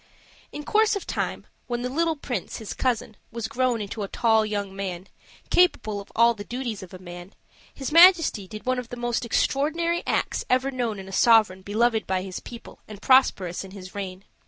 In course of time, when the little Prince, his cousin, was grown into a tall young man, capable of all the duties of a man, his Majesty did one of the most extraordinary acts ever known in a sovereign beloved by his people and prosperous in his reign.